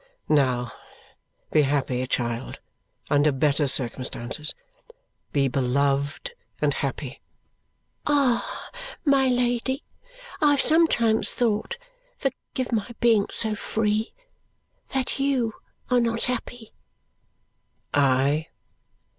"Now, be happy, child, under better circumstances. Be beloved and happy!" "Ah, my Lady, I have sometimes thought forgive my being so free that YOU are not happy." "I!"